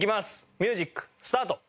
ミュージックスタート！